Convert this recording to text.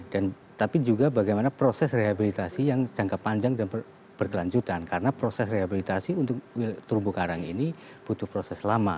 dan tapi juga bagaimana proses rehabilitasi yang jangka panjang dan berkelanjutan karena proses rehabilitasi untuk terumbu karang ini butuh proses lama